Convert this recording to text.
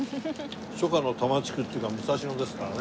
初夏の多摩地区っていうか武蔵野ですからね。